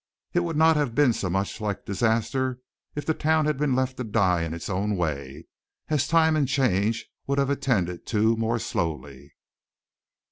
It would not have been so much like disaster if the town had been left to die in its own way, as time and change would have attended to more slowly.